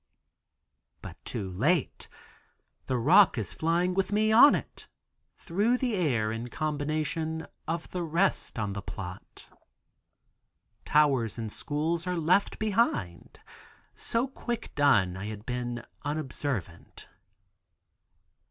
But too late, the rock is flying with me on it through the air in combination of the rest on the plot. Tower and schools are left behind, so quick done I had been unobservant.